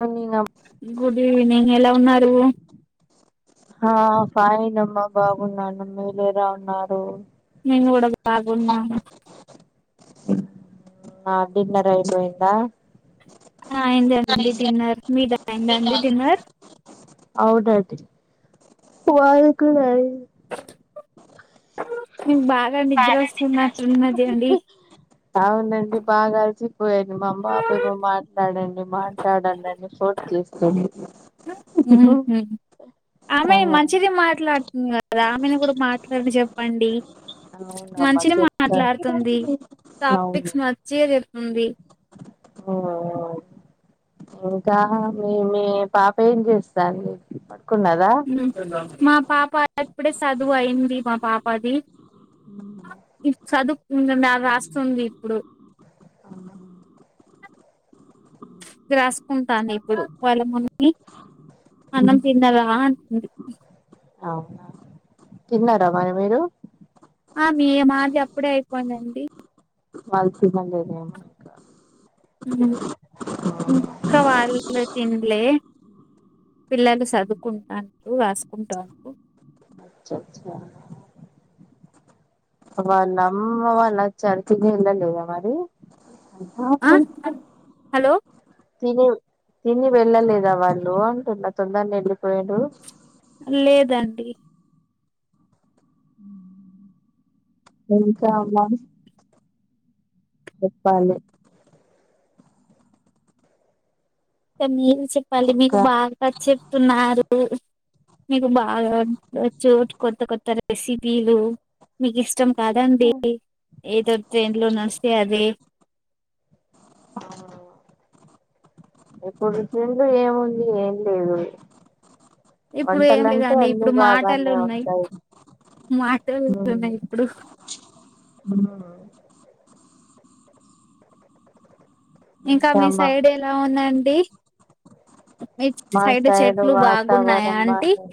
Morning good evening ఎలా ఉన్నారు ఆ ఫైన్ అమ్మ బాగున్నాను మీరెలా ఉన్నారు నేను కూడా బాగున్నాను ఆ డిన్నర్ అయిపోయిందా అయిందండి డిన్నర్ మీద అయిందండి డిన్నర్ అవునండి మాది కూడ అయ్ అదె నిద్ర వస్తున్నట్టు ఉన్నది అవునండి బాగా అలసిపోయాను మా అమ్మపేమో మాట్లాడండి మాట్లాడండని ఫోన్ చేస్తుంది ఆమె ఆ మంచిది మాట్లాడుతుంది కదా ఆమెను కూడా మాట్లాడి చెప్ పండి అవునమ్మా మంచినే చెప్తా మాట్లాడుతుంది టాపిక్స్ మంచిగా చెప్తుంది ఓ ఇంకా మీ మీ పాప ఏం చేస్తాంది పడుకున్నదా మా పాప అప్పుడే సదువు అయింది మా పాపది ఇప్ సదువుకుంటాండ రాస్తుంది ఇప్పుడు వ్రాసుకుంటాంది ఇప్పుడు వాళ్ళ మమ్మి అన్నం తిన్నరా అన్ అ అవునా తిన్నారా మరి మీరు ఆ మి మాది అప్పుడే అయిపోయిందండి వాల్సి [unintelligible] ఇంక వాలు తింలే పిల్లలు సదువుకుంటాన్రు రాసుకుంటాన్రు అచ్చచ్చ వాళ్ళ అమ్మ వాళ్ళు వచ్చారు తిని ఎళ్ళలేదా మరి ఆ హలో తిని తిని వెళ్ళలేదా వాళ్ళు అంటున్న తొందరని వెళ్ళిపోయిండ్రు లేదండి ఉ ఇంకా అమ్మా చెప్పాలి కని మీరు చెప్పాలి మీరు ఇంకా బాగా చెప్తున్నారు మీకు బాగా ఉండచ్చు కొత్త కొత్త రెసిపీలు మీకిష్టం కాదండి ఏదో ట్రైన్ లోనోస్తే అదే ఆ ఇప్పుడు చుంది ఏముంది ఏం లేదు ఇప్పుడు ఏం వంటలంటే లేదాండి అన్ని ఇప్పుడు మాటలు బాగానే ఉన్నాయి ఉంటాయి మాటలుతున్నా ఇప్పుడు ఉ ఇంకా మీ సైడ్ ఎలా ఉందండి మీ మా సైడ్ చెట్లు బాగున్నాయా వాతావరణం అంటీ బానే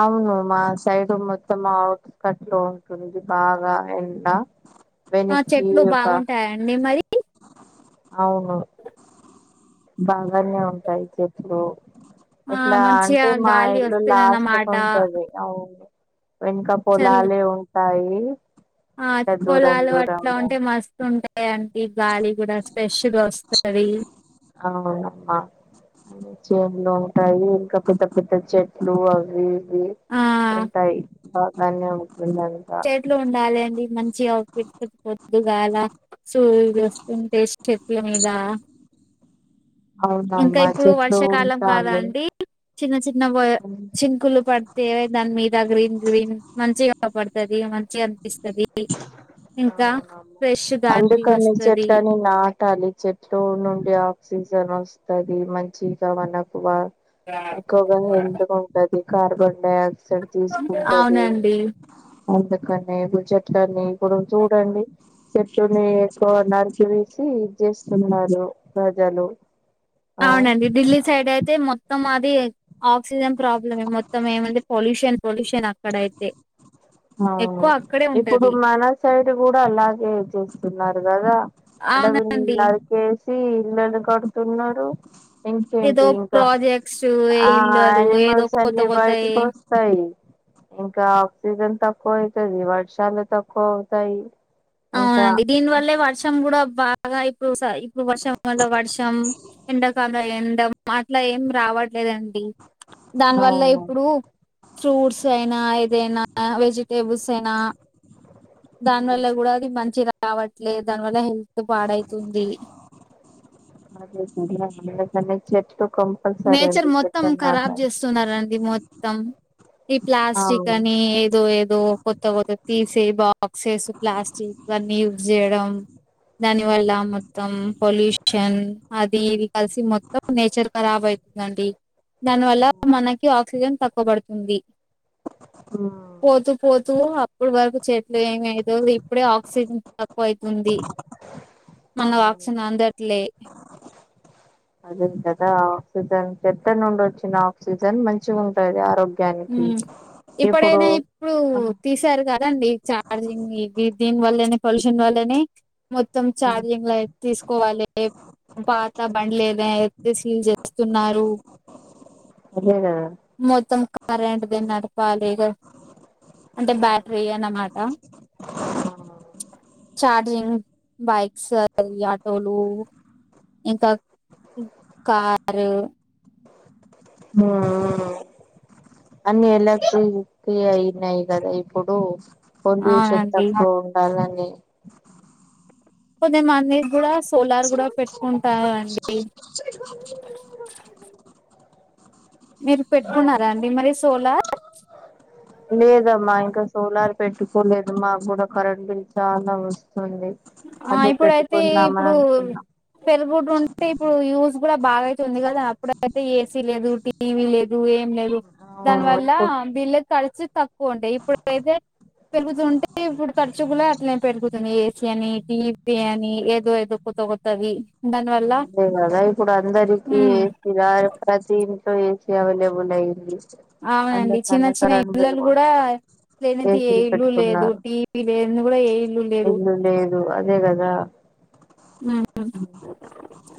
అవును మా సైడ్ మొత్తం అవుట్స్ కట్ లో ఉంటుంది బాగా ఎండ ఆ వెనక్కి చెట్లు ఒక బాగుంటాయండి మరి అవును బాగానే ఉంటాయి చెట్లు ఆ ఎట్లా మంచిగా అంటే మా గాలి ఇల్లు లాస్ట్కు వస్తుందన్నమాట ఉంటుంది అవును వెనక పోలలే ఉంటాయి ఆచ్చ దూరం పొలాలు అట్లా దూరంగా ఉంటే మస్తు ఉంటాయి అంటడి గాలి కూడా స్పెష్ గా వస్తంది రీ అవును చేనులు ఉంటాయి ఇంకా పెద్ద పెద్ద చెట్లు అవి ఇవి ఆ ఉంటాయి బాగానే ఉంటుందంతా చెట్లు ఉండాలి అండి మంచిగా పో దుగాల సూర్యుడు చేస్తుంటే చెట్ల మీద ఇంకా అవునమ్మా ఇప్పుడు చెట్లు వర్షాకాలం కాదా ఉంటాలి అండి చిన్న చిన్న చింనుకులు పడితే దాని మీద గ్రీన్ గ్రీన్ మంచిగా కాపాడతాది మంచిగా అనిపిస్తది అన ఇంకా ఫ్రెష్ గాలి అందుకని వస్తది చెట్లని నాటాలి చెట్టు నుండి ఆ ఆక్సిజన్ వస్తుంది మంచిగావ నాక్కువ ఎక్కువగా హెల్త్గా ఉంటది కార్బన్ డై ఆక్సైడ్ తీసుకుంటది అవునండి అందుకనే చెట్లని ఇప్పుడు చూడండి చెట్టుని ఎక్కువ నరిచ వేసి ఇది చేస్తున్నారు ప్రజలు ఆ అవునండి ఢిల్లీ సైడ్ అవును అయితే మొత్తం అది ఆక్సిజన్ ప్రాబ్లమ్ మొత్తం ఏమందిే పొల్యూషన్ పొల్యూషన్ అక్కడైతే అవునూ ఎక్కువ అక్కడే ఇప్పుడు ఉంటది. మన సైడ్ కూడా అలాగే చూస్తున్నారు కదా అడవి అవునండి. నరికేసి ఇళ్లలు కడుతున్నారు ఏదో ఇంకేంటి ఇంకా ప్రాజెక్ట్స్, ఏ ఆ ఇల్లులు ఏదో యానిమల్స్ కొత్త అన్ని కొత్తయి బయటికి వస్తాయి ఇంకా ఆక్సిజన్ తక్కువ అవుతుది వర్షాలు తక్కువ అవుతాయి ఇంకా అవునండి దీని వల్లే వర్షం కూడా బా అగా ఇప్పుడు ఇప్పుడు వర్షం కాలం వర్షం ఎండాకాల ఎండం అట్లా ఏం రావట్ లేదండి ఆ దానివల్ల ఇప్పుడు ఫ్రూట్స్ అయినా వెజిటబుల్స్ అయినా దాని వల్ల కూడా మంచిగా రావట్లే దాని వల్ల హెల్త్ పాడైతుంది అదే కదా అందుకనే చెట్లు కంపల్సరీ నేచర్ అండి మొత్తం చెట్లను కరాబ్ నాటాలి చేస్తున్నారండి మొత్తం ఈ ప్లాస్టిక్ అవును అని ఏదో ఏదో కొత్త కొత్త తీసే బాక్సేస్ ప్లాస్టిక్ అన్నీ యూజ్ చేయడం దాని వల్ల మొత్తం పొల్యూషన్ అది ఇది కలిసి మొత్తం నేచర్ రాబ్ అయితుందండి దానివల్ల మనకి ఆక్సిజన్ తగ్గాపాబాటుంది పడుతుంది పోతూ పోతూ అప్పుడు వరకు చే లు ఏమ లేదు ఇప్పుడే ఆక్సిజన్ తక్కువ అయితుంది మన అవును వాక్సన్ అందట్లే అదేం కదా ఆక్సిజన్ చెట్ట నుండి వచ్చిన ఆక్సిజన్ మంచి ఉంటాది ఆరోగ్యం ఇప్పుడైనా ఇప్పుడు తీసారు కదండి చార్జింగ్ ఇది దీని వల్లనే పొల్యూషన్ వల్లనే మొత్తం చార్జింగ్ లైట్ తీసుకోవాలి పాత బండ్ లేద ఎతే సీల్ చేస్తున్నారు అదే కదా మొత్తం కార్ ఏడుతున్నారు ఖాళీగానే అంటే బ్యాటరీ అనమాట కదా చార్జింగ్ బైక్స్ ఆటోలు ఇంకా కారు ఆ అన్ని ఎలా అయినాయి కదా ఇప్పుడు పొల్యూషన్ అవునండి. తక్కువ ఉండాలని కుదే మన్నే కూడా సోలార్ కూడా పెట్టుకుంటారుండి మీరు పెట్టుకున్నారా అండి మరి సోలార్? లేదమ్మా ఇంకా సోలార్ పెట్టుకోలేదుమ్మా కూడా కరెంట్ బిల్ చ ఆ ఇప్పుడయితే ఇప్పుడు అనుకున్నాం పెరుగుడ్ ఉంటే ఇప్పుడు యూస్ కూడా బాగా అయితే ఉంది కదా అప్పుడు అయితే ఏసీ లేదు, టీవీ లేదు ఏ లేదు దాని అవును వల్ల ఇప్పుడు బిల్ కడిచ ఎక్కువంటాయి ఇప్పుడుయితే పెరుగుతుంటే ఇప్పుడు ఖర్చు కూడా అట్లే పెరుగుతుంది. చి అని టీపి అని ఎదు ఎదుకుతగతవి అదే కదా ఇప్పుడు అందరికీ ఉమ్ ప్రతిది స ఏస అవైలేబుల్అయింది. అవునండి చిన్న చిన్న ఇల్లలు కూడా లేనిది ఏ ఏసీలు ఇల్లు లేదు పెట్టుకున్నారు టీవీ లేనిది కూడా ఏ ఇల్లు లేరు లేదు అదే కదా ఆహ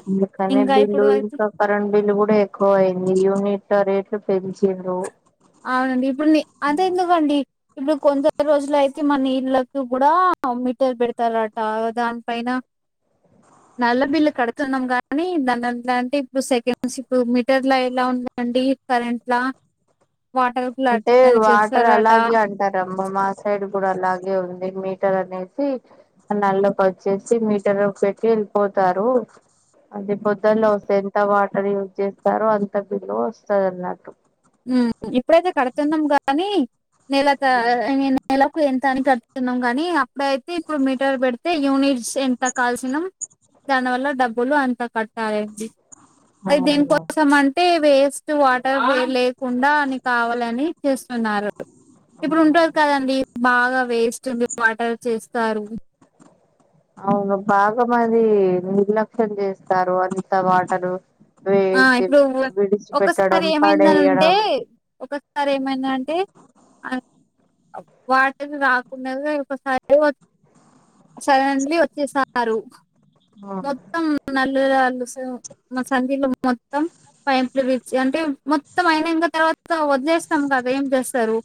ఇల్లు కరెంట్ ఇల్లు ఇంకొకరన్ బిల్ కూడా ఎక్కువ అయింది యూనిట్ లో రేట్లు పెంచిండ్రు. అవునండి ఇప్పుడు ని అద ఎందుకండి ఇప్పుడు కొంత రోజులు అయితే మన నీళ్ళకి కూడా మీటర్ పెడతారట దానిపైన నల్ల బిల్లు కడుతున్నాం గానీ దానిట్లా అంటే ఇప్పుడు సెకండ్స్ ఇప్పుడు మీటర్ల ఎలా ఉందండి. కరెంట్లా వాటర్ లా అంటే అట్లనే వాటర్ చేస్తారట అలాగే అంటారమ్మ మా సైడ్ కూడా అలాగే ఉం ది మీటర్ అనేసి నల్లోకి వచ్చేసి మీటర్ పెట్టి వెళ్ళిపోతారు. అది పొద్దుళ వస్తే ఎంత వాటర్ యూజ్ చేస్తారో అంత బిల్లు వస్తది అన్నట్టు. మ్ ఇప్పుడైతే కడుతున్నాం గానీ నెల త నెలకు ఎం తని కట్టుతున్నాం కానీ అప్పుడ అయితే ఇప్పుడు మీటర్ పెడితే యూనిట్ ఎంత కాల్సినం దానివల్ల డబ్బులు అంత కట్టాలండి. అయితే అవును ఇంకొంతమంటే వేస్ట్ వాటర్ వే కుండా అని కావాలని చేస్తున్నారు. ఇప్పుడు ఉంటారు కదండి బాగా వేస్ట్ ఉంది వాటర్ చేస్తారు. అవును బాగా మది నిర్లక్ష్యం చేస్తారు అంత వాటరు ఆ వేచి ఇప్పుడు ఉన్ ఒకసారి విడిచిపెట్టడం ఏమైందని అంటే పడేయడం ఒకసారి ఏమైంద అంటే? అ వాటిని రాకుండగా ఇంకోసారి సడన్లీ వచ్చేస నారు మొత్తం నల్లుగు మా సంధ్యలో మొత్తం పైంపులు బీచి అంటే మొత్తం అయినా ఇంకా తర్వాత వదిలేస్తాం కద ఏం చేస్తారు?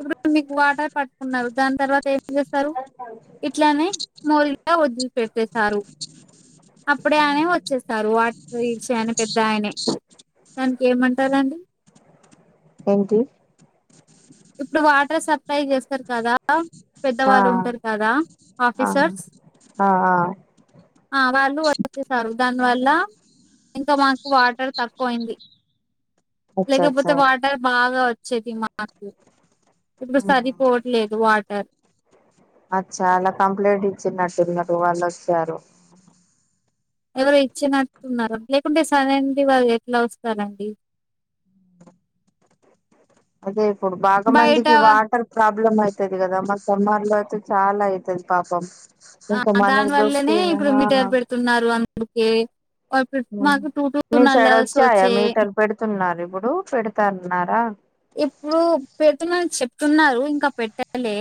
ఇప్పుడు మీకు వాటర్ పట్టుకున్నారు దాని తర్వాత ఏం చేస్తారు ఇట్లానే మోరిగా వద్దిలి పెట్టేశారు. అప్పుడే ఆనే వ ఇచ్చేస్తారు వాటర్ ఈచయన పెద్ద ఆయనే దానికి ఏమంటారండి. ఏంటి ఇప్పుడు వాటర్ స ట్రై చేస్తారు కదా ఆ పెద్దవాళ్ళు ఉంటరు కదా ఆ ఆఫీసర్స్ ఆ ఆ ఆ వాళ్ళు వచ్చే సారు దాన్ని వల్ల ఇంకా మాకు వాటర్ తక్కువయింది అచ్చ లేకపోతే అచ్చా వాటర్ బాగా వచ్చేది మా ఇప్పుడు సరిపోవట్లేదు వాటర్ అచ్చ అలా కంప్లైంట్ ఇచ్చినట్టు నాకు వాళ్ళు వచ్చారు ఎవరు ఇచ్చినట్టున్నారు లేకుంటే సరే అండి వారు ఎట్లా వస్తారండి అదే ఇప్పుడు బాగా మందికి బయట వాటర్ ప్రాబ్ల ప్రాబ్లమ్ అయితది కదా మా సమ్మర్లో అయితే చాలా అయితది పాపం ఆ ఇంకా మనకు దాని వల్లనే దొరికితే ఇప్పుడు ఆ మీఠర్ పెడుతున్నారు అందుకే ఇప్పుడు మాకు టూ టూ మీ సైడ్ నల్లాస్ వచ్చాయా వచ్చాయి. మీటర్లు పెడుతున్నారు ఇప్పుడు పెడతాన్నారా ఇప్పుడు పెడుతున్నానని చెప్తున్నారు ఇంకా పెట్టాలె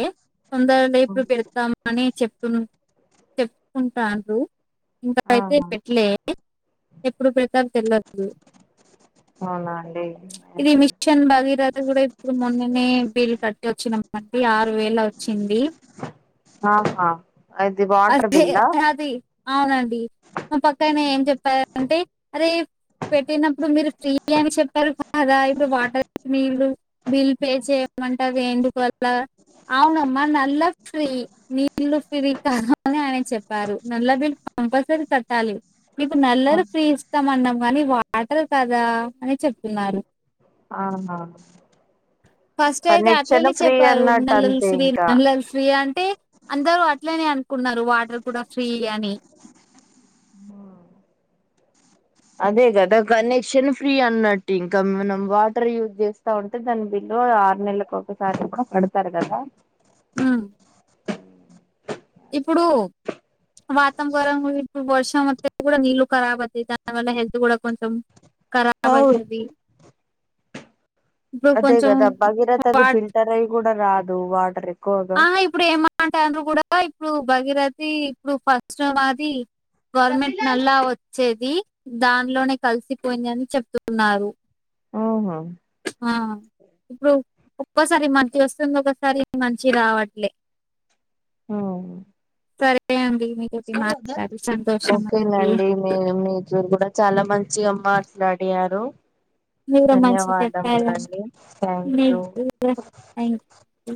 తొందర లేేపుడు పెడతామని చెప్తు చెప్పుకుంటారు ఇంకాయితే ఆహా పెట్లే ఇప్పుడు ప్రతాప్ కెల్లదు అవునా అండి ఇది మిషన్ బాగ కద కూడా ఇప్పుడు మొన్ననే బిల్ కట్టి వచ్చినం అండి ఆరు వేల వచ్చింది ఆహా అయిద్ధి వాటర్ అదే బిల్లా అది అవునండి మా పక్క ఆయన ఏం చెప్పారంటే అదే పెట్టినప్పుడు మీరు ఫ్రీ అని చెప్పారు కదా ఇప్పుడు వాటర్ మీళ్లు బిల్ పే చే చేయమంటారు వెంటి ఎంక వల్ల అవునమ్మ నల్ల ఫ్రీ నళ్ల్ ఫ్రీ కా అని ఆయన చెప్పారు నల్ల బిల్డ్ కంపల్సరీ కట్టాలి మీకు నల్లరు ఫ్రీ ఇస్తాం అన్నాం మనీ వాటర్ కదా అని చెప్తున్నారు ఆహా ఫస్ట్ అయితే కనెక్షన్ అట్లనే ఫ్రీ చెప్పారు అన్నట్టు నల్లల అంతే శ్రీ ఇంకా నల్లల శ్రీ అంటే అందరు అట్లనే అన్ కున్నారు వాటర్ కూడా ఫ్రీగా అని అదే కదా కనెక్షన్ ఫ్రీ అన్నట్టు ఇంకా మనం వాటర్ యూజ్ చేస్తా ఉంటే దాని బిల్ ఆరు నెల్లకి ఒక్కసారి కూడా పడతారు కదా అ ఇప్పుడు వాతంవరం ఇప్పుడు వర్షం వస్తే కూడా నీళ్లు ఖరాబ్ అవుతది దానివల్ల హెల్త్ కూడా కొంచెం అవును కరాబయితది అదేగద భగిరత అది ఫిల్టర్ అయి కూడా రాదు వాటర్ ఎక్కువగా ఆహా ఇప్పుడు ఏమంటారు కూడా ఇప్పుడు భగీరథి ఇప్పుడు ఫస్ట్ మాది గవర్నమెంట్ నల్లా వచ్చేది దానిలోనే కలిసిపోయిందని చెప్తున్నారు ఆహా ఆ ఇప్పుడు ఒక్కోసారి మంచిగ వస్తుంది ఒకసారి మంచి రావట్లే ఆ సరే అండి మీతోటి మాట్లాడి సంతోషం అండి ఓకేనండి మీ మీరు కూడా చాలా మంచిగా మ రడి ఆరు మీరు మంచి చెప్పారండి ధన్యవాదములండి థ్యాంక్ యూ మీకు థ్యాంక్ యూ